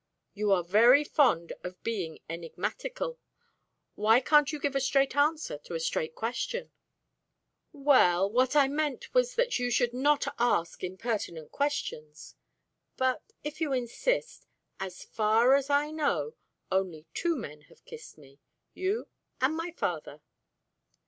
"You are very fond of being enigmatical. Why can't you give a straight answer to a straight question?" "Well what I meant was that you should not ask impertinent questions. But, if you insist, as far as I know, only two men have kissed me, you and my father."